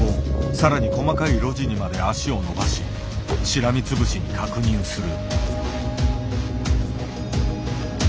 更に細かい路地にまで足を延ばししらみつぶしに確認する。